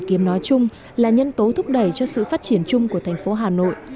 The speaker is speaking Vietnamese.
hoàn kiếm nói chung là nhân tố thúc đẩy cho sự phát triển chung của thành phố hà nội